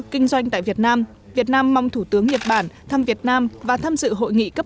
kinh doanh tại việt nam việt nam mong thủ tướng nhật bản thăm việt nam và tham dự hội nghị cấp